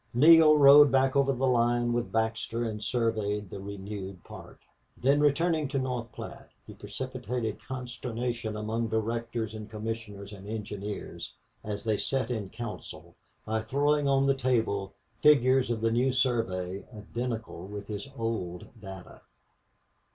Neale rode back over the line with Baxter and surveyed the renewed part. Then, returning to North Platte, he precipitated consternation among directors and commissioners and engineers, as they sat in council, by throwing on the table figures of the new survey identical with his old data.